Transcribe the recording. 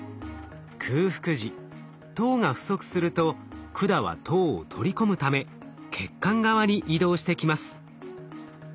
空腹時糖が不足すると管は糖を取り込むため血管側に移動してきます。